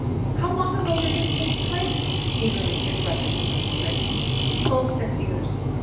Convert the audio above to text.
" How long ago did this take place ?" eagerly inter rupted Mrs Mowbray. " Full six years."